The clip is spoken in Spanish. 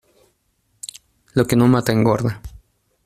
Lo que no mata, engorda.